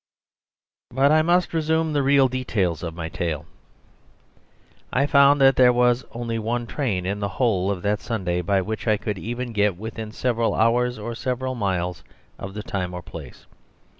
..... But I must resume the real details of my tale. I found that there was only one train in the whole of that Sunday by which I could even get within several hours or several miles of the time or place.